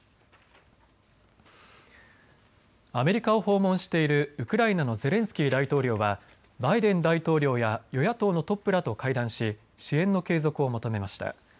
アメリカを訪問しているウクライナのゼレンスキー大統領はバイデン大統領や与野党のトップらと会談し支援の継続を求めました。